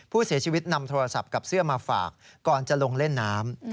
ผู้เสียชีวิตนำโทรศัพท์กับเสื้อมาฝากก่อนจะลงเล่นน้ำ